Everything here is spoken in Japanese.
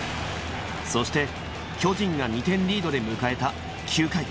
そして巨人が２点リードで迎えた９回